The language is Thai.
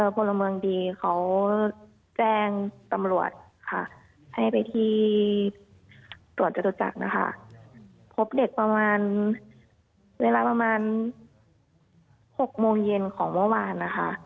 พลเมืองดีเขาแจ้งตำรวจค่ะให้ไปที่ตรวจจตุจักรนะคะพบเด็กประมาณเวลาประมาณ๖โมงเย็นของเมื่อวานนะคะ